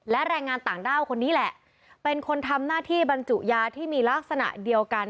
และแรงงานต่างด้าวคนนี้แหละเป็นคนทำหน้าที่บรรจุยาที่มีลักษณะเดียวกัน